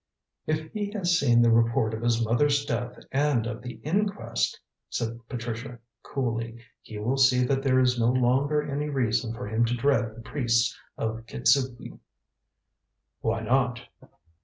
"If he has seen the report of his mother's death and of the inquest," said Patricia coolly, "he will see that there is no longer any reason for him to dread the priests of Kitzuki." "Why not?"